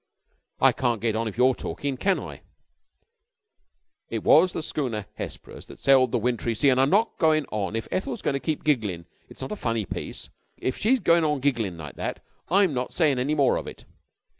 I can't get on if you're talkin', can I?" "It was the Hesper Schoonerus that sailed the wintry sea an' I'm not goin' on if Ethel's goin' to keep gigglin'. It's not a funny piece, an' if she's goin' on gigglin' like that I'm not sayin' any more of it."